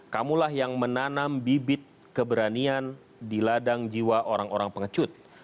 kamulah yang menanam bibit keberanian di ladang jiwa orang orang pengecut